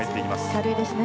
軽いですね